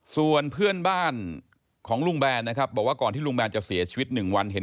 ส่วนเพื่อนมาบ้านของลูงแบนว่าก่อนที่ลูงแบนจะเสียชีวิตอยู่หนึ่งวัน